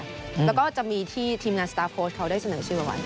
แล้วก็จะมีที่ทีมงานโพสท์เขาได้เสนอชื่อบัญ